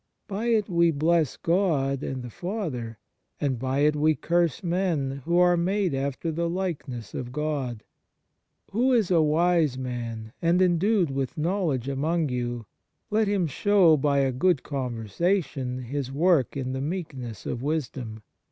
By it we bless God and the Father: and by it we curse men, who are made after the likeness of God. ... Who is a wise man, and endued with knowledge among you ? Let him show, by a good conversation, his work in the meekness of wisdom.